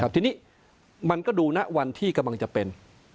ทีนี้มันก็ดูนะวันที่กำลังจะเป็น